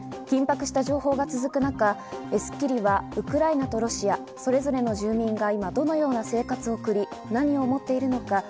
緊迫した情勢が続く中、『スッキリ』はウクライナとロシア、それぞれの住民が今どのような生活を送り、何を思っているのか。